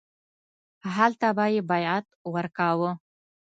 هلته به یې بیعت ورکاوه.